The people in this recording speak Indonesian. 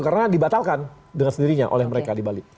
karena dibatalkan dengan sendirinya oleh mereka di bali